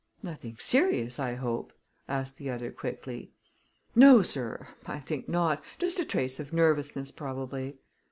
"Nothing serious, I hope?" asked the other quickly. "No, sir; I think not. Just a trace of nervousness probably."